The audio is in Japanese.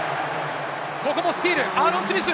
ここもスティール、アーロン・スミス。